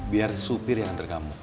biar supir yang antar kamu